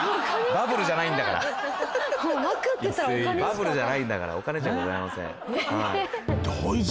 バブルじゃないんだからお金じゃございません。